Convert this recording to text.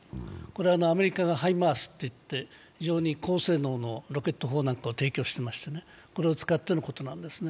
これはアメリカがハイマースといって非常に高性能のロケット砲なんかを提供していまして、これを使ってのことなんです